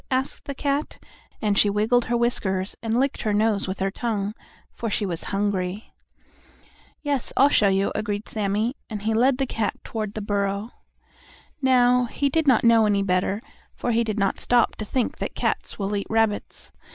asked the cat, and she wiggled her whiskers and licked her nose with her tongue, for she was hungry. "Yes, I'll show you," agreed Sammie, and he led the cat toward the burrow. Now, he did not know any better, for he did not stop to think that cats will eat rabbits.